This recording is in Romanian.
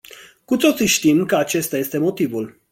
Cu toții știm că acesta este motivul.